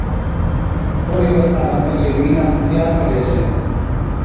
ٿوڙهي وقتا کن پڇي بِينڏا نُون تيار ڪَجي ڇَي